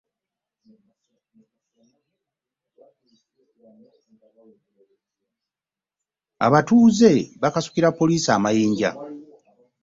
Abatuuze bakasukira poliisi amayinja.